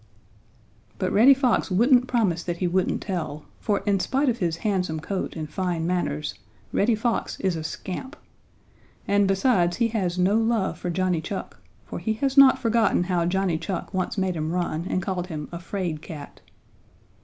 But Reddy Fox wouldn't promise that he wouldn't tell, for in spite of his handsome coat and fine manners, Reddy Fox is a scamp. And, besides, he has no love for Johnny Chuck, for he has not forgotten how Johnny Chuck once made him run and called him a "'fraid cat."